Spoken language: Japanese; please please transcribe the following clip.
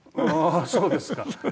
ああそうですか。